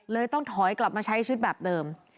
ต้องถอยกลับมาใช้ชีวิตแบบเดิม